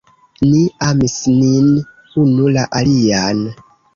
Ni amis nin unu la alian.